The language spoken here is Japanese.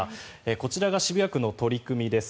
こちらが渋谷区の取り組みです。